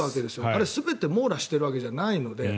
あれ、全てを網羅しているわけではないので。